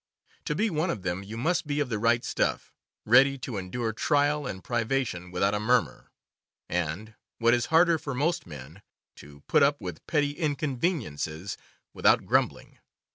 To be one of them you must be of the right stuff, ready to endure trial and privation without a murmur, and — what is harder for most men — to put up with petty inconveniences without grumbling.